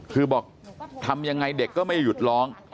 คือบอกทำยังไงเด็กก็ไม่หยุดร้อง